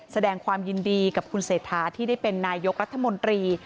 แสดงความยินดีกับคุณเศรษฐาที่ได้เป็นนายกรัฐมนตรี